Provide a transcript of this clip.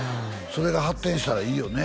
それが発展したらいいよね